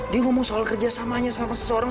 dia ngomong soal kerjasamanya sama seseorang